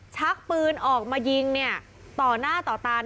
ชักปืนออกมายิงเนี่ยต่อหน้าต่อตา